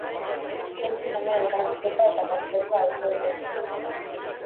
Entzun hemen elkarrizketa eta kontzertua oso-osorik!